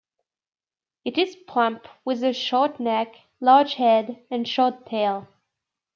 It is plump, with a short neck, large head, and short tail.